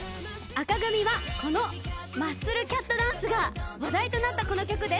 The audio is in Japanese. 紅組はこのマッスルキャットダンスが話題となったこの曲です。